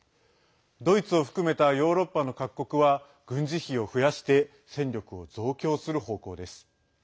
ドイツを含めたヨーロッパの各国は軍事費を増やして戦力を増強する方向です。